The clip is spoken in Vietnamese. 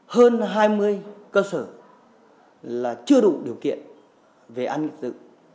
hơn hai mươi cơ sở là chưa đủ điều kiện về an nghịch dự